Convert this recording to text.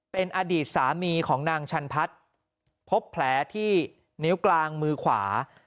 เป็นอดีตสามีของนางชันพัฒน์พบแผลที่นิ้วกลางมือขวา